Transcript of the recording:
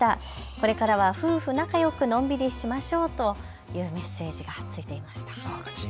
これからは夫婦仲よくのんびりしましょうとというメッセージがついていました。